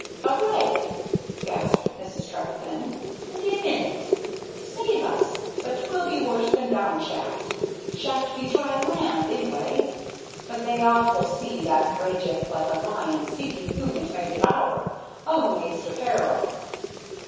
"A wrack!" gasped Mrs. Trefethen, "and 'im in hit! Save us! but 'twill be worse than down shaft. Shaft be dry land, anyway, but they awful sea that rageth like a lion seeking whom it may devour. Oh, Maister Peril!"